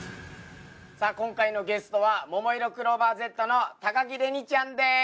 今回のゲストはももいろクローバーＺの高城れにちゃんてす。